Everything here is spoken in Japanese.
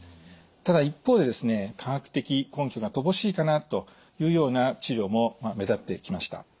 ただ一方でですね科学的根拠が乏しいかなというような治療も目立ってきました。